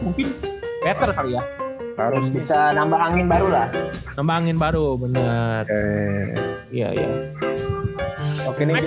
mungkin better kali ya harus bisa nambah angin baru lah nambah angin baru bener ya ya oke ini